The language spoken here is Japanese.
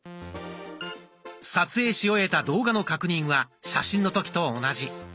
撮影し終えた動画の確認は写真の時と同じ。